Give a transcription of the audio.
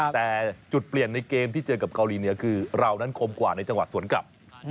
แต่จุดเปลี่ยนในเกมที่เจอกับเกาหลีเหนือคือเรานั้นคมกว่าในจังหวะสวนกลับ